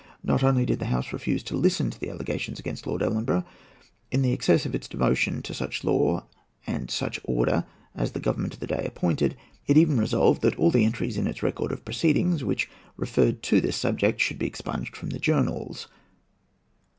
Not only did the House refuse to listen to the allegations against Lord Ellenborough; in the excess of its devotion to such law and such order as the Government of the day appointed, it even resolved that all the entries in its record of proceedings which referred to this subject should be expunged from the journals.